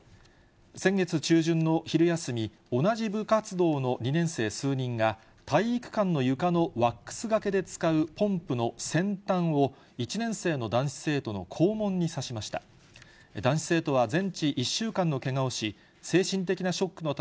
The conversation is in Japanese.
先月中旬の昼休み、同じ部活動の２年生数人が、体育館の床のワックスがけで使うポンプの先端を、１年生の男子生徒の肛門にさしました。